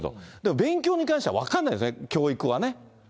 勉強に関しては分かんないですね、教育はね。